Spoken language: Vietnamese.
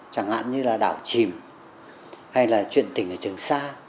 chẳng hạn như là đảo chìm hay là chuyện tỉnh ở trường xa